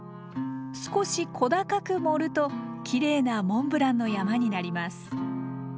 少し小高く盛るときれいなモンブランの山になります。